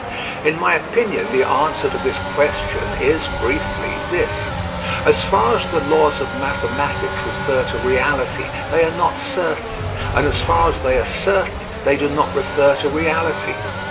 In my opinion the answer to this question is, briefly, this: As far as the laws of mathematics refer to reality, they are not certain; and as far as they are certain, they do not refer to reality.